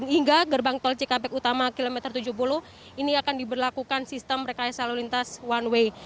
hingga gerbang tol cikampek utama kilometer tujuh puluh ini akan diberlakukan sistem rekayasa lalu lintas one way